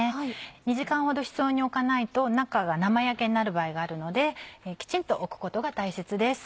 ２時間ほど室温に置かないと中が生焼けになる場合があるのできちんと置くことが大切です。